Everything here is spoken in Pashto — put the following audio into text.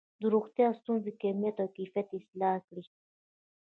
د روغتیايي ستونزو کمیت او کیفیت اصلاح کړي.